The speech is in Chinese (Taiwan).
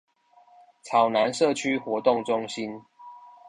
草湳社區活動中心